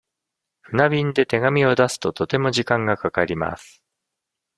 船便で手紙を出すと、とても時間がかかります。